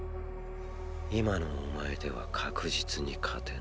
今のお前では確実に勝てない。